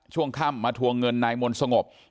ช่วงค่ำมาทวงเงินนายมนต์สงบ